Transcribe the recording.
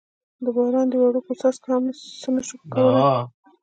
د باران دې وړوکو څاڅکو هم څه نه شوای کولای.